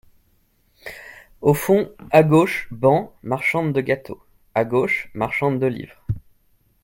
Au fond, à gauche, bancs, marchande de gâteaux ; à gauche, marchande de livres.